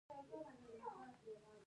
پشت رود ځمکې للمي دي؟